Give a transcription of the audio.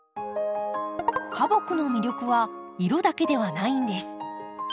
花木の魅力は色だけではないんです。